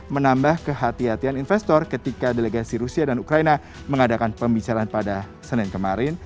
menambah kehatian kehatian investor ketika delegasi rusia dan ukraina mengadakan pembicaraan pada senin kemarin